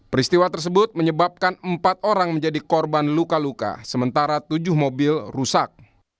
peristiwa tersebut menyebabkan empat orang menjadi korban luka luka sementara tujuh mobil rusak